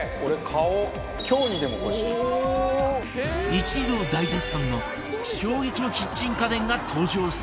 一同大絶賛の衝撃のキッチン家電が登場する事に